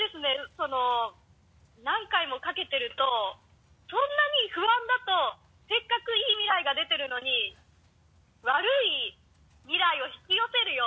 その何回もかけているとそんなに不安だとせっかくいい未来が出ているのに悪い未来を引き寄せるよ。